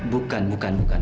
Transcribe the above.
bukan bukan bukan